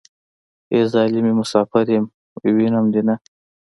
ای ظالمې مسافر يم وينم دې نه.